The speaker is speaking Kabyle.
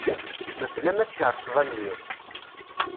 Mebla ma tkerseḍ anyir